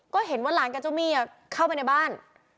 ก็เห็นว่าหลานกับเจ้าหนี้เข้าไปในบ้าน